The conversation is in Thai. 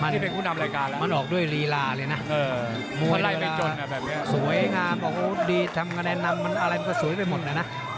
ที่เป็นผู้นำรายการแล้วมันออกด้วยรีลาเลยนะมวยสวยงามดีทำแนะนำมันอะไรมันก็สวยไปหมดนะ